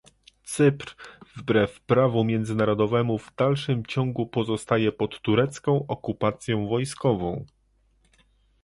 Cypr wbrew prawu międzynarodowemu w dalszym ciągu pozostaje pod turecką okupacją wojskową